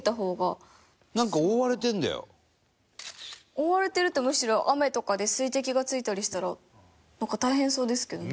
覆われてるとむしろ雨とかで水滴が付いたりしたらなんか大変そうですけどね。